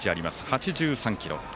８３ｋｇ。